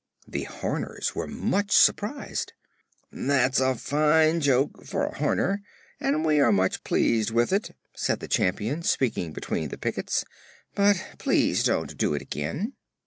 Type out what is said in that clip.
The Horners were much surprised. "That's a fine joke for a Horner and we are much pleased with it," said the Champion, speaking between the pickets. "But please don't do it again."